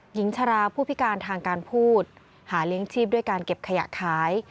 หญิงชราผู้พิการทางการพูดหาเลี้ยงชีพด้วยการเก็บขยะขาย